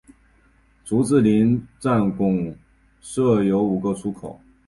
竹子林站共设有五个出口。